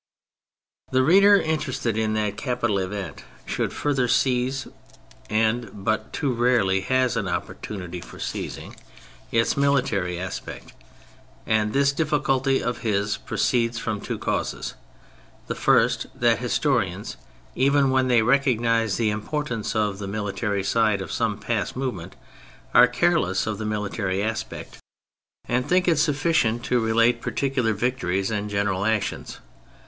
The reader interested in that capital event should further seize (and but too rarely has an opportunity for seizing) its military aspect; and this difficulty of his proceeds from two causes : the first, that historians, even when they recognise the importance of the military side of some past movement, are careless of the military aspect, and think PREFACE vii it sufficient to relate particular victories and general actions.